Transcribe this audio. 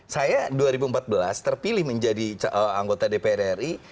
saya dua ribu empat belas terpilih menjadi anggota dpr ri